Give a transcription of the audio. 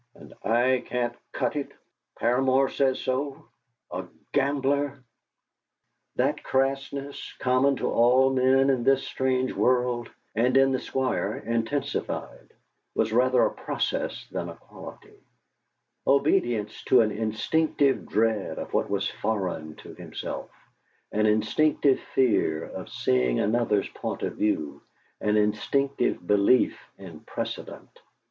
nd I can't cut it! Paramor says so! A gambler!' That "crassness" common to all men in this strange world, and in the Squire intensified, was rather a process than a quality obedience to an instinctive dread of what was foreign to himself, an instinctive fear of seeing another's point of view, an instinctive belief in precedent.